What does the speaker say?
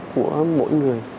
của mỗi người